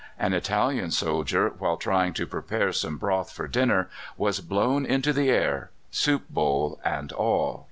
An Italian soldier, while trying to prepare some broth for dinner, was blown into the air soup, bowl, and all!